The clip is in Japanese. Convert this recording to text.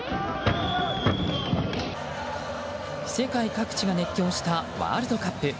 世界各地が熱狂したワールドカップ。